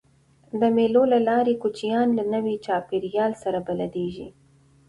د مېلو له لاري کوچنيان له نوي چاپېریال سره بلديږي.